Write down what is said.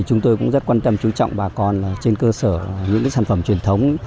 chúng tôi cũng rất quan tâm chú trọng bà con trên cơ sở những sản phẩm truyền thống